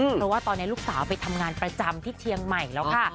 เพราะว่าตอนนี้ลูกสาวไปทำงานประจำที่เชียงใหม่แล้วค่ะ